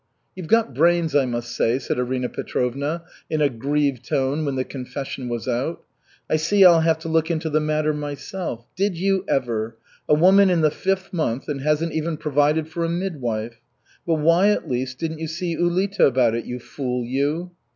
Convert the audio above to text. "You've got brains, I must say," said Arina Petrovna in a grieved tone when the confession was out. "I see I'll have to look into the matter myself. Did you ever! A woman in the fifth month and hasn't even provided for a midwife! But why at least didn't you see Ulita about it, you fool, you?"